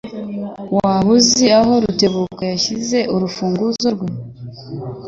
Waba uzi aho Rutebuka yashyize urufunguzo rwe?